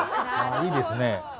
いいです。